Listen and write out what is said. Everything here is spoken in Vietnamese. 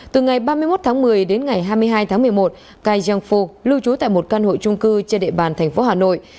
từ ngày ba mươi một tháng một mươi đến ngày hai mươi hai tháng một mươi một kai jan fo lưu trú tại một căn hội trung cư trên địa bàn thành phố hà nội